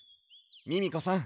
ミミコさん